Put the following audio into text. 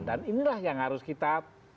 dan inilah yang harus kita